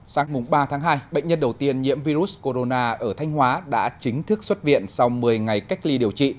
sáng ba tháng hai bệnh nhân đầu tiên nhiễm virus corona ở thanh hóa đã chính thức xuất viện sau một mươi ngày cách ly điều trị